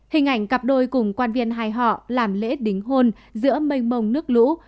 hình ảnh cặp đôi cùng quan viên hai họ làm lễ đính hôn giữa mênh mông nước lũ